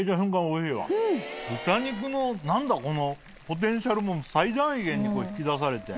豚肉の何だこのポテンシャルも最大限に引き出されて。